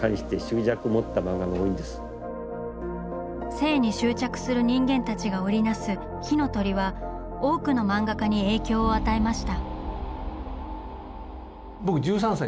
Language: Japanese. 「生」に執着する人間たちが織りなす「火の鳥」は多くの漫画家に影響を与えました。